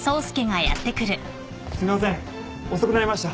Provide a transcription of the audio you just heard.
すみません遅くなりました。